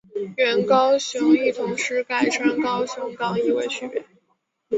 原高雄驿同时改称高雄港以为区别。